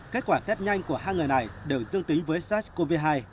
kết quả test nhanh của hai người này đều dương tính với sars cov hai